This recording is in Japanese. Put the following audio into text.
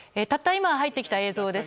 今入ってきた映像です。